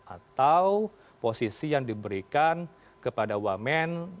atau posisi yang diberikan kepada wamen